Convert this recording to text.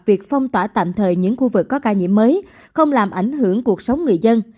việc phong tỏa tạm thời những khu vực có ca nhiễm mới không làm ảnh hưởng cuộc sống người dân